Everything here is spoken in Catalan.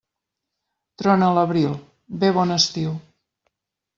Trona l'abril: ve bon estiu.